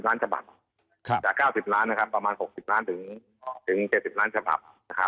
ล้านฉบับจาก๙๐ล้านประมาณ๖๐ล้านถึง๗๐ล้านฉบับ